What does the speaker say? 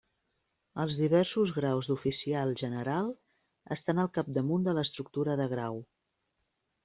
Els diversos graus d'oficial general estan al capdamunt de l'estructura de grau.